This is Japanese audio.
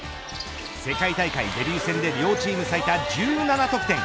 世界大会デビュー戦で両チーム最多１７得点。